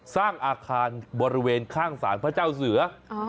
สร้างอาคารบริเวณข้างศาลพระเจ้าเสือ